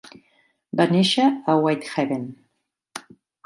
Va néixer a Whitehaven.